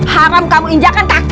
haram kamu injakkan kakimu di rumah ini